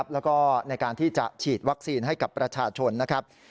แล้วก็ในการที่จะฉีดวัคซีนให้กับประชาชนนะครับ